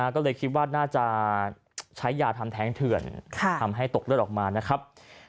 ก็เลยคิดว่าน่าจะใช้ยาทำแท้งเถื่อนทำให้ตกเลือดออกมานะครับ